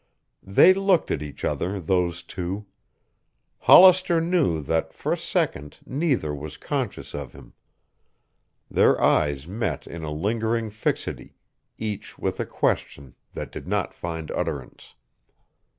They looked at each other, those two. Hollister knew that for a second neither was conscious of him. Their eyes met in a lingering fixity, each with a question that did not find utterance.